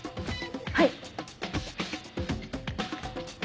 はい。